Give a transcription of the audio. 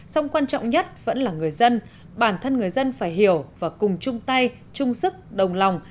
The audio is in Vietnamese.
song quan trọng nhất vẫn là người dân bản thân người dân phải hiểu và cùng chung tay chung sức đồng lòng